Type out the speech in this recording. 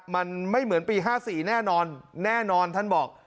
มันไม่เหมือนปี๕๔แน่นอนแน่นอนท่านบอก